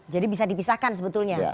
jadi bisa dipisahkan sebetulnya